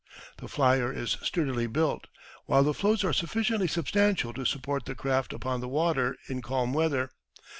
The flier is sturdily built, while the floats are sufficiently substantial to support the craft upon the water in calm weather.